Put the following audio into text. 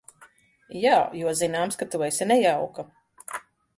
Jā, jo zināms, ka tu esi nejauka.